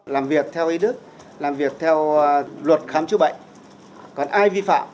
làm việc theo ý đức làm việc theo luật khám chữa bệnh còn ai vi phạm